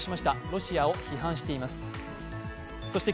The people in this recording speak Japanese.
ロシアを批判しています。